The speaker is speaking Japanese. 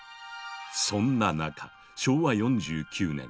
そんな中昭和４９年。